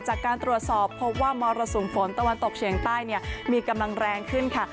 จากการตรวจสอบพบว่ามรสุมฝนตะวันตกเฉียงใต้มีกำลังแรงขึ้นค่ะ